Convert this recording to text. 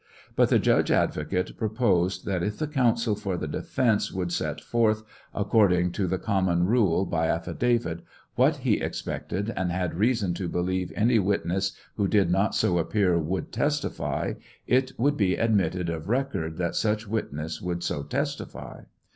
But the judge advocate proposed that if the counsel for the defence would set forth, according to the common rule by affidavit, what he expected and had reason to believe any wit ness who did not so appear would testify, it would be admitted of record that such witness would so testify.